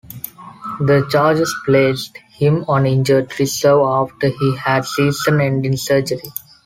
The Chargers placed him on injured reserve after he had season-ending surgery.